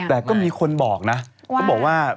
แต่ก็มีคนบอกนะ